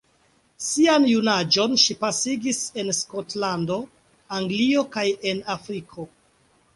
Sian junaĝon ŝi pasigis en Skotlando, Anglio kaj en Afriko.